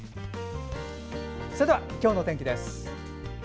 それでは今日の天気です。